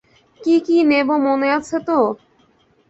কী কী নেব মনে আছে তো?